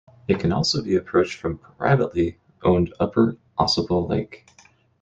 It can also be approached from privately owned Upper Ausable Lake.